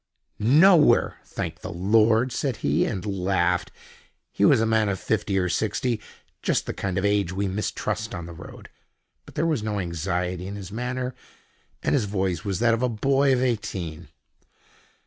"Nowhere, thank the Lord!" said he, and laughed. He was a man of fifty or sixty—just the kind of age we mistrust on the road—but there was no anxiety in his manner, and his voice was that of a boy of eighteen.